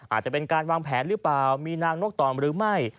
อาจจะเป็นการวางแผนหรือเปล่ามีนางนกต่อมหรือไม่